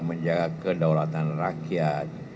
menjaga kedaulatan rakyat